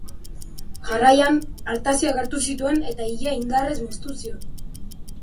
Jarraian, artaziak hartu zituen eta ilea indarrez moztu zion.